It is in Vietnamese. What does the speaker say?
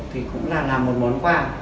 thì cũng là một món quà